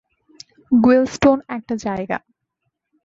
গুয়েলস্টোন একটা জায়গা।